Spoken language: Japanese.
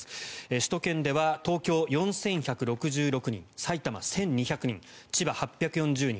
首都圏では東京、４１６６人埼玉、１２００人千葉、８４０人